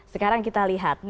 sekarang kita lihat